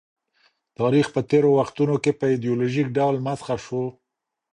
تاریخ په تېرو وختونو کي په ایډیالوژیک ډول مسخ سو.